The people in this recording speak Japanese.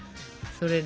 それで。